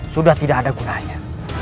sudah tidak ada gunanya